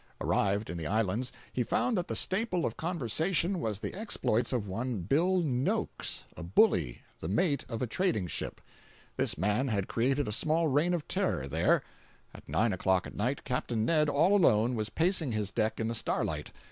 Arrived in the islands, he found that the staple of conversation was the exploits of one Bill Noakes, a bully, the mate of a trading ship. This man had created a small reign of terror there. At nine o'clock at night, Capt. Ned, all alone, was pacing his deck in the starlight.